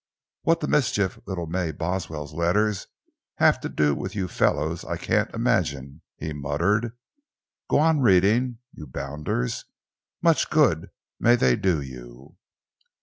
"What the mischief little May Boswell's letters have to do with you fellows, I can't imagine!" he muttered. "Go on reading, you bounders! Much good may they do you!"